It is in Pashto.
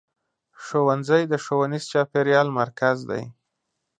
ښوونځی د ښوونیز چاپېریال مرکز دی.